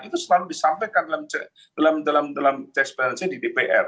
itu selalu disampaikan dalam check balance nya di dpr